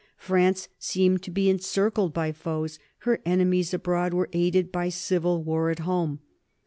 France seemed to be circled by foes; her enemies abroad were aided by civil war at home.